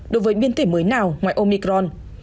đối với biến thể mới nào ngoài omicron